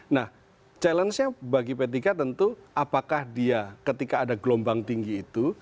nah challenge nya bagi p tiga tentu apakah dia ketika ada gelombang tinggi itu